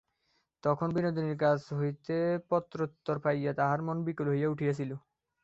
তখন বিনোদিনীর কাছ হইতে পত্রোত্তর পাইয়া তাহার মন বিকল হইয়া উঠিয়াছিল।